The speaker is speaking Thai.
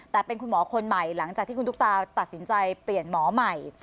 แต่เป็นคุณหมอคนใหม่หลังจากที่คุณตุ๊กตาตัดสินใจเปลี่ยนหมอใหม่